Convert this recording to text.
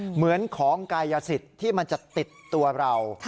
เหมือนของกายสิทธิ์ที่มันจะติดตัวเรา